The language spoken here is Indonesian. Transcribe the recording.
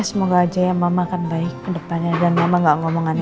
ya semoga aja ya mama akan baik ke depannya dan mama gak ngomong aneh aneh kayak semalam ya